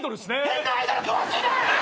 変なアイドル詳しいな！